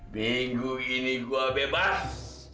minggu ini gua bebas